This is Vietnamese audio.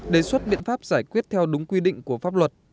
đề xuất biện pháp giải quyết theo đúng quy định của pháp luật